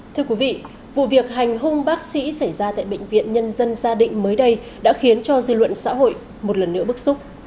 thưa quý vị vụ việc hành hung bác sĩ xảy ra tại bệnh viện nhân dân gia định mới đây đã khiến cho dư luận xã hội một lần nữa bức xúc